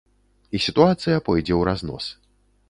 І сітуацыя пойдзе ўразнос.